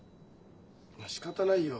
しかたないよ。